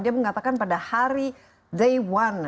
dia mengatakan pada hari they won